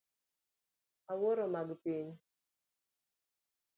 Awuoro mag piny